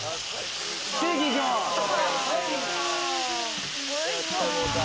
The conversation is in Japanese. ステーキ行きます。